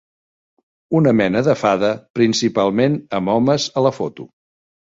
Una mena de fada principalment amb homes a la foto.